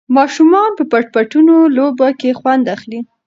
ماشومان په پټ پټوني لوبه کې خوند اخلي.